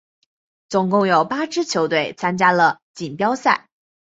总共有八支球队参加了锦标赛。